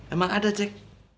emang ada ceng